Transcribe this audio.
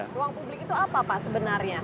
ruang publik itu apa pak sebenarnya